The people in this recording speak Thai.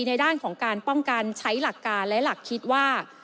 ในด้านของการป้องกันใช้หลักการและหลักคิดว่า